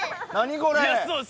これ。